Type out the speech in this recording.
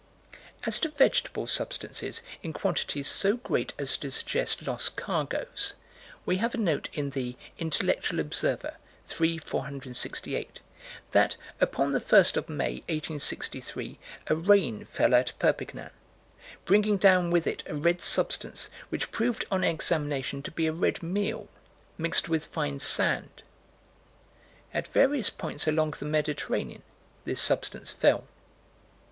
As to vegetable substances in quantities so great as to suggest lost cargoes, we have a note in the Intellectual Observer, 3 468: that, upon the first of May, 1863, a rain fell at Perpignan, "bringing down with it a red substance, which proved on examination to be a red meal mixed with fine sand." At various points along the Mediterranean, this substance fell.